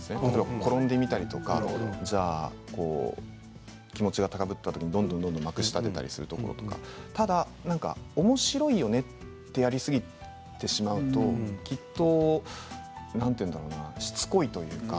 転んでみたりとか気持ちが高ぶったときにどんどんまくしたてたりするところとかでも、おもしろいよねとやりすぎてしまうときっとなんて言うんだろうなしつこいというか。